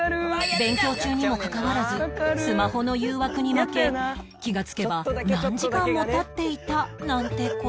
勉強中にもかかわらずスマホの誘惑に負け気がつけば何時間も経っていたなんて事も